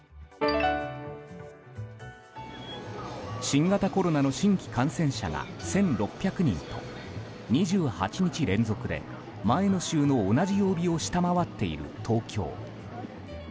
新型コロナの新規感染者が１６００人と２８日連続で前の週の同じ曜日を下回っている東京。